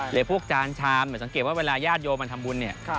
หรือพวกจานชามเหมือนสังเกตว่าเวลาญาติโยมันทำบุญ